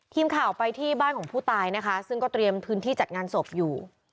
ทีมข่าวไปที่บ้านของผู้ตายนะคะซึ่งก็เตรียมพื้นที่จัดงานศพอยู่